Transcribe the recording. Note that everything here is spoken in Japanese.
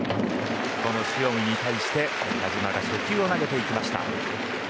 この塩見に対して田嶋が初球を投げていきました。